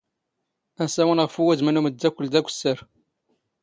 ⴰⵙⴰⵡⵏ ⵖⴼ ⵡⵓⴷⵎ ⵏ ⵓⵎⴷⴷⴰⴽⴽⵯⵍ ⴷ ⴰⴽⵯⵙⵙⴰⵔ